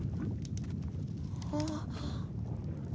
あっ。